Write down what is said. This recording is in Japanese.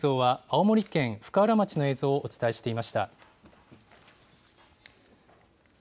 テレビの映像は青森県深浦町の映像をお伝えしていました。